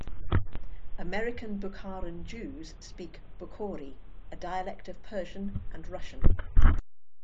American Bukharan Jews speak Bukhori, a dialect of Persian, and Russian.